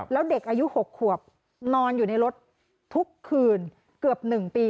แล้วเด็กอายุ๖ขวบนอนอยู่ในรถทุกคืนเกือบ๑ปี